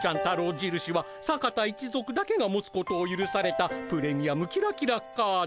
じるしは坂田一族だけが持つことをゆるされたプレミアムキラキラカード。